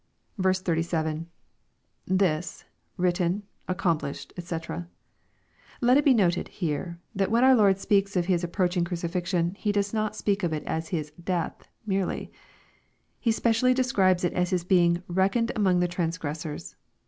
37. — [Thi8...wriUen.,.accomplis?iedj dkc] Let it be noted here, that when our Lord speaks of His approaching crucifixion, He does not speak of it as His " death" merely. He specially describes it as His being " reckoned among the transgressors."